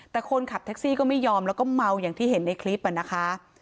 แต่คนขับแท็กซี่ก็ไม่ยอมแล้วก็เมาอย่างที่เห็นในคลิปนะคะ